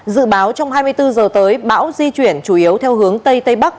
dự báo trong hai mươi bốn giờ tới bão di chuyển chủ yếu theo hướng tây tây bắc